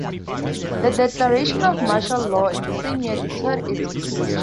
The declaration of martial law in the same year deterred its creation.